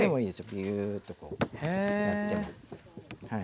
ピューッとこうやっても。